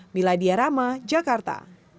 miladia rama jakarta